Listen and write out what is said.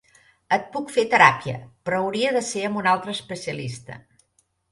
Et puc fer teràpia, però hauria de ser amb un altre especialista.